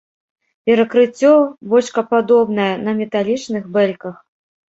Перакрыцце бочкападобнае на металічных бэльках.